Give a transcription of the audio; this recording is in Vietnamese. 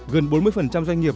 gần bốn mươi doanh nghiệp